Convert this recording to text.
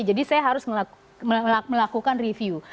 jadi saya harus melakukan review